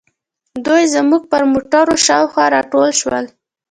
دوی زموږ پر موټرو شاوخوا راټول شول.